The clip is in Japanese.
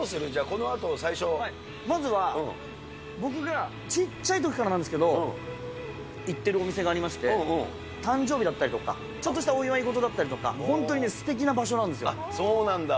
このまずは、僕がちっちゃいときからなんですけど、行ってるお店がありまして、誕生日だったりとか、ちょっとしたお祝い事だったりとか、本当にね、すてきな場所そうなんだ。